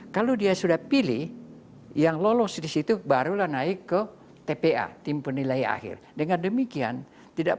kalau dia sudah pilih yang lolos disitu barulah naik ke tpa tim penilai akhir dengan demikian tidak